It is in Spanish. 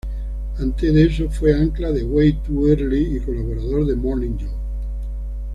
Antes de eso fue ancla de Way Too Early y colaborador de Morning Joe.